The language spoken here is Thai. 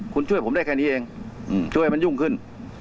คุณช่วยผมได้แค่นี้เองช่วยให้มันยุ่งขึ้น